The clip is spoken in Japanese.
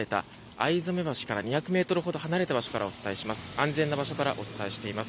逢初橋から２００ｍほど離れた場所からお伝えします。